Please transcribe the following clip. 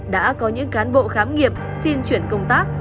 đã có những cán bộ khám nghiệp xin chuyển công tác